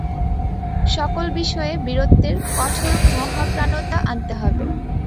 সকল বিষয়ে বীরত্বের কঠোর মহাপ্রাণতা আনতে হবে।